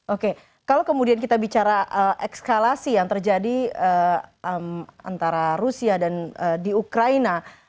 oke kalau kemudian kita bicara ekskalasi yang terjadi antara rusia dan di ukraina